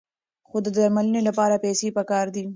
خو د درملنې لپاره پیسې پکار دي.